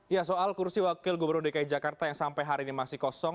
ya soal kursi wakil gubernur dki jakarta yang sampai hari ini masih kosong